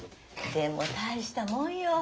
でも大したもんよ。